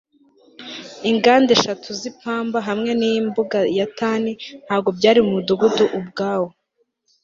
inganda eshatu zipamba hamwe nimbuga ya tan ntabwo byari mumudugudu ubwawo